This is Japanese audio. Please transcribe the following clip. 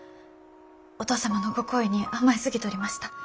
お義父様のご厚意に甘えすぎとりました。